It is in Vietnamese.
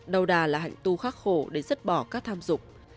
đầu đà là hạnh tu khắc khổ để giấc bỏ các tham dục